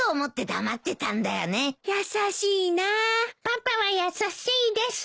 パパは優しいです。